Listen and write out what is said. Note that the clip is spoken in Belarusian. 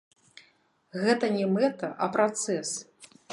Гэта не мэта, а працэс.